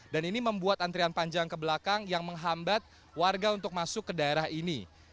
dan juga ada antrian panjang ke belakang yang menghambat warga untuk masuk ke daerah ini